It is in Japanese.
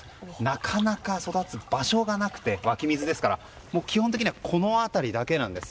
なかなか育つ場所がなくて湧き水ですから基本的にはこの辺りだけなんです。